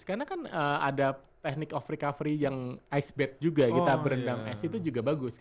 karena kan ada technique of recovery yang ice bath juga kita berendam ice itu juga bagus